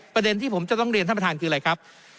ประเด็นที่ผมจะต้องเรียนท่านประธานคืออะไรครับ